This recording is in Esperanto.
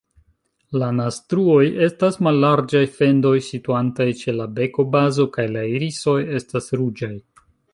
La naztruoj estas mallarĝaj fendoj situantaj ĉe la bekobazo, kaj la irisoj estas ruĝaj.